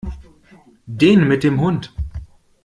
Den mit dem Hund.